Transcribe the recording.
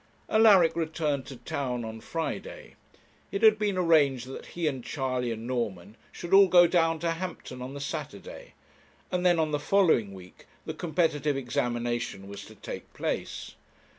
Alaric returned to town on Friday. It had been arranged that he, and Charley, and Norman, should all go down to Hampton on the Saturday; and then, on the following week, the competitive examination was to take place.